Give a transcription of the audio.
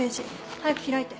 早く開いて。